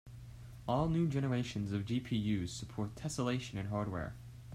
All new generations of GPUs support tesselation in hardware.